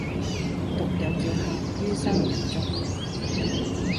獨有叫喊于生人中，